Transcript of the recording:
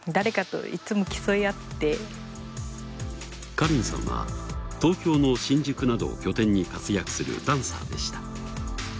ＫＡＲＩＮさんは東京の新宿などを拠点に活躍するダンサーでした。